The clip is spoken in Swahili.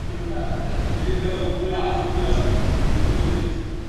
vyombo vya upinzani ni changamoto ya kuleta maendeleo